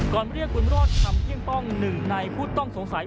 เรียกบุญรอดคำเที่ยงป้องหนึ่งในผู้ต้องสงสัย